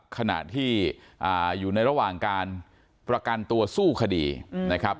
ขณะที่อยู่ในระหว่างการประกันตัวสู้คดีนะครับ